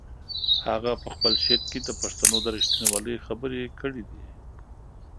هغه په خپل شعر کې د پښتنو د رښتینولۍ خبرې کړې دي.